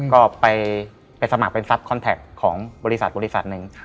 ก็ไปสมัครเป็นซับคอนแทคของบริษัทหนึ่ง